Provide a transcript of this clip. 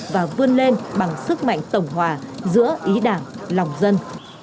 và vươn lên bằng sức mạnh tổng hòa giữa ý đảng lòng dân